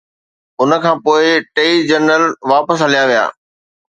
ان کان پوءِ ٽيئي جنرل واپس هليا ويا